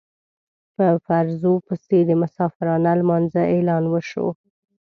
په فرضو پسې د مسافرانه لمانځه اعلان وشو.